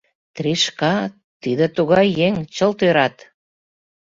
Тришка — тиде тугай еҥ, чылт ӧрат.